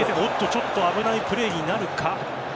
ちょっと危ないプレーになるか。